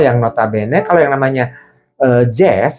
yang notabene kalau yang namanya jazz